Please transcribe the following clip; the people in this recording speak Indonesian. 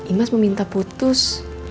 imas meminta putus